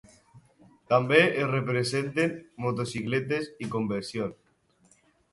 També es representen motocicletes i conversions.